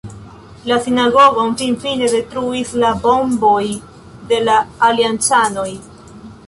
La sinagogon finfine detruis la bomboj de la Aliancanoj.